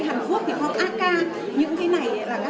còn tpp ak cần những cái gì để mà được ưu đãi xuất khẩu vào ak